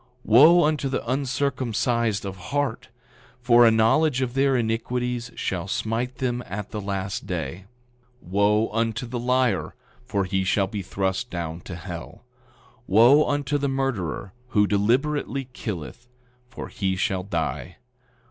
9:33 Wo unto the uncircumcised of heart, for a knowledge of their iniquities shall smite them at the last day. 9:34 Wo unto the liar, for he shall be thrust down to hell. 9:35 Wo unto the murderer who deliberately killeth, for he shall die.